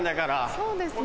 そうですね。